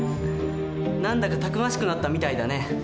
何だかたくましくなったみたいだね。